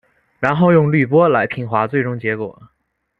然后用滤波来平滑最终结果。